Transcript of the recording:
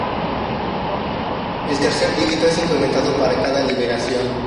El tercer dígito es incrementado para cada liberación.